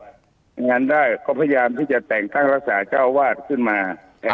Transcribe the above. งานได้ก็พยายามที่จะแต่งตั้งรักษาเจ้าวาดขึ้นมา